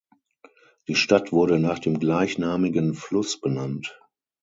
Die Stadt wurde nach dem gleichnamigen Fluss benannt.